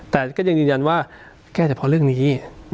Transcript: แต่ก็ยังยืนยันว่าแก้เฉพาะเรื่องนี้